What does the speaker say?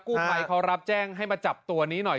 กู้ภัยเขารับแจ้งให้มาจับตัวนี้หน่อย